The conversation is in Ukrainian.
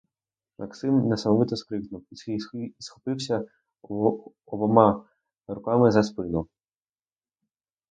Максим несамовито скрикнув — і схопився обома руками за спину.